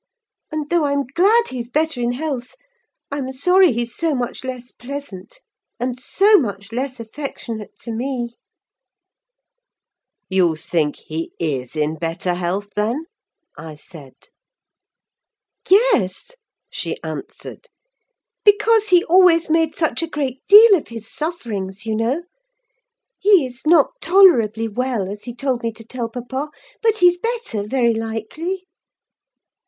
And, though I'm glad he's better in health, I'm sorry he's so much less pleasant, and so much less affectionate to me." "You think he is better in health, then?" I said. "Yes," she answered; "because he always made such a great deal of his sufferings, you know. He is not tolerably well, as he told me to tell papa; but he's better, very likely."